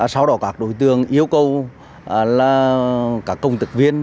sau đó các đối tượng yêu cầu là các công chức viên